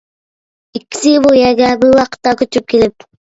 ئىككىسى بۇ يەرگە بىر ۋاقىتتا كۆچۈپ كېلىپ.